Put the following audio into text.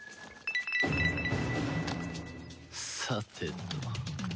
さてと。